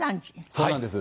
そうなんです。